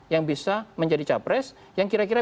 yang bisa menjadi capres yang kira kira